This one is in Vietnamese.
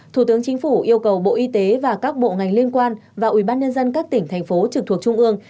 thủ tướng chính phủ yêu cầu bộ y tế và các bộ ngành liên quan và ubnd các tỉnh thành phố trực thuộc trung ương